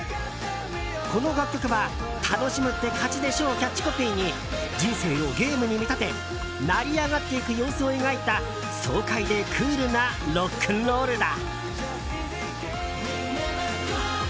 この楽曲は楽しむって勝ちでしょをキャッチコピーに人生をゲームに見立て成り上がっていく様子を描いた爽快でクールなロックンロールだ。